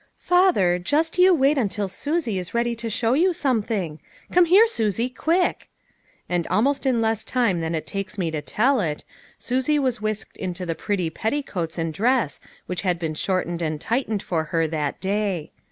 "Father, just you wait until Susie is ready to Bhow you something. Come here, Susie, quick." And almost in less time than it takes me to tell it, Susie was whisked into the pretty petticoats and dress which had been shortened and tight ened for her that day.